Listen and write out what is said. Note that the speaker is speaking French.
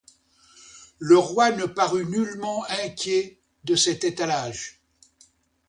Le roi ne parut nullement inquiet de cet étalage.